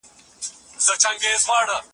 چیرته مې اشتباه کړې ده.